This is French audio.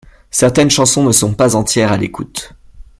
Certaines chansons ne sont pas entières à l'écoute.